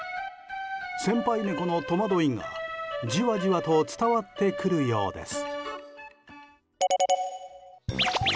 先輩猫の戸惑いが、じわじわと伝わってくるようです。